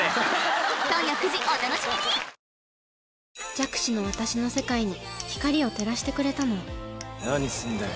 弱視の私の世界に光を照らしてくれたのは何すんだよ。